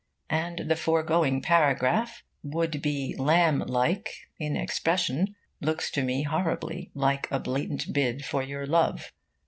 And the foregoing paragraph, though not at all would be Lamb like in expression, looks to me horribly like a blatant bid for your love.